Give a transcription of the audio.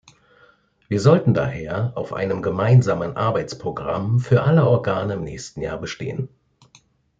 Wir sollten daher auf einem gemeinsamen Arbeitsprogramm für alle Organe im nächsten Jahr bestehen.